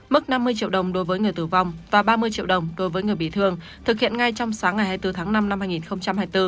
mức năm mươi triệu đồng đối với người tử vong và ba mươi triệu đồng đối với người bị thương thực hiện ngay trong sáng ngày hai mươi bốn tháng năm năm hai nghìn hai mươi bốn